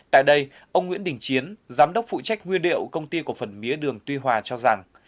tại đây ông nguyễn đình chiến giám đốc phụ trách nguyên liệu công ty cổ phần mía đường tuy hòa cho rằng